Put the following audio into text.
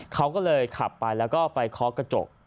เขาก็เลยขับไปแล้วก็ไปเคาะกระจก